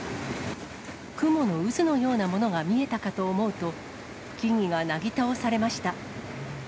雲の渦のようなものが見えたかと思うと、木々がなぎ倒されました。